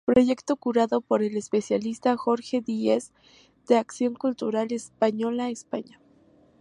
Proyecto curado por el especialista Jorge Díez de Acción Cultural Española, España.